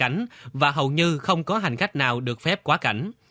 hồng kông đã bị hạ cảnh và hầu như không có hành khách nào được phép quá cảnh